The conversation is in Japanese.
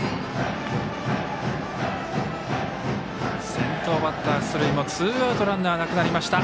先頭バッター出塁もツーアウトバッターなくなりました。